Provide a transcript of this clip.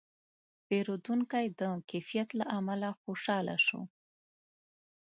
پیرودونکی د کیفیت له امله خوشاله شو.